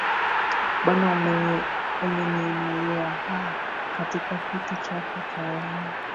Bwana Umeinuliwa aaah, katika kiti chako cha enzi